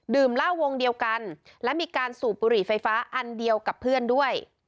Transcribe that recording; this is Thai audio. เหล้าวงเดียวกันและมีการสูบบุหรี่ไฟฟ้าอันเดียวกับเพื่อนด้วย